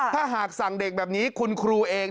ถ้าหากสั่งเด็กแบบนี้คุณครูเอง